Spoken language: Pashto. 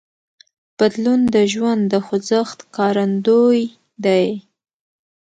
بدلون د ژوند د خوځښت ښکارندوی دی.